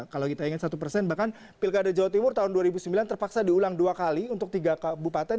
kalau kita ingat satu persen bahkan pilkada jawa timur tahun dua ribu sembilan terpaksa diulang dua kali untuk tiga kabupaten